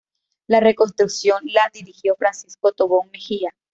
La reconstrucción la dirigió Francisco Tobón Mejía.